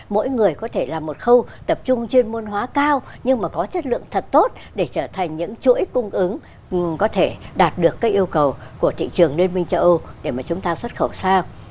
mỗi người có thể là một khâu tập trung trên môn hóa cao nhưng mà có chất lượng thật tốt để trở thành những chuỗi cung ứng có thể đạt được các yêu cầu của thị trường liên minh châu âu để mà chúng ta xuất khẩu sang